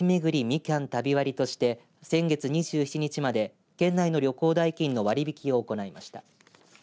きゃん旅割として先月２７日まで県内の旅行代金の割り引きを行いました。